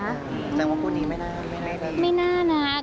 แต่ว่าคนนี้ไม่น่าไม่ได้ดี